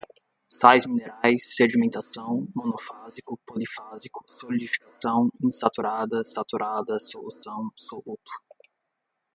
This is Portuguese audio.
sais minerais, sedimentação, monofásico, polifásico, solidificação, insaturada, saturada, solução, soluto